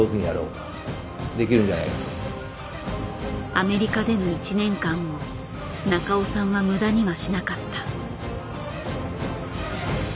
アメリカでの１年間を中尾さんは無駄にはしなかった。